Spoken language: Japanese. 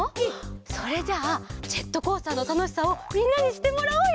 それじゃあジェットコースターのたのしさをみんなにしってもらおうよ！